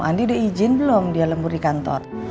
andi udah izin belum dia lembur di kantor